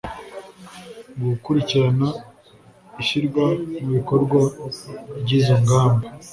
gukurikirana ishyirwa mu bikorwa ry izo ngamba